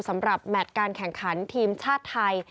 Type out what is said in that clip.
สำหรับแมตการแข่งขันทีมชาติไทย